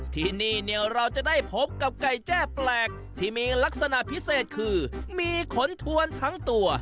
ที่นี่เนี่ยเราจะได้พบกับไก่แจ้แปลกที่มีลักษณะพิเศษคือมีขนทวนทั้งตัว